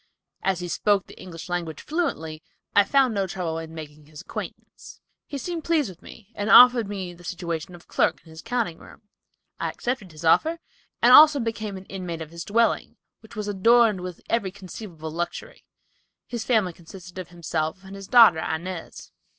As he spoke the English language fluently, I found no trouble in making his acquaintance. "He seemed pleased with me and offered me the situation of clerk in his counting room. I accepted his offer, and also became an inmate of his dwelling, which was adorned with every conceivable luxury. His family consisted of himself and his daughter, Inez."